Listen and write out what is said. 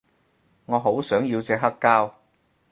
我好想要隻黑膠